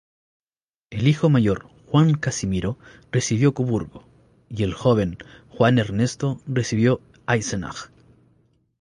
El hijo mayor, Juan Casimiro, recibió Coburgo, y el joven, Juan Ernesto, recibió Eisenach.